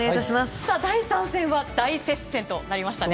さあ、第３戦は大接戦となりましたね。